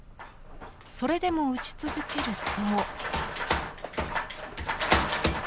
それでも打ち続けると。